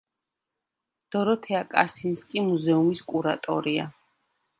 დოროთეა კასინსკი მუზეუმის კურატორია.